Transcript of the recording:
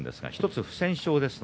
１つ不戦勝です。